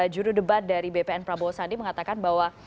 juru debat dari bpn prabowo sandi mengatakan bahwa